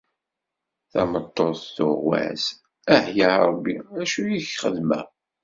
Tameṭṭut tuɣwas: « Ah ya Rebbi acu i ak-xedmeɣ! »